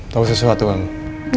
tau sesuatu emang